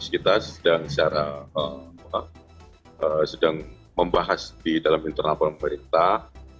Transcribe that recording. kita sedang membahas di dalam internal pemerintah